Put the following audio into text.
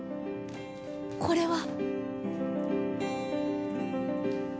これは。